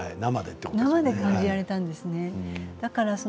生で感じられたんです。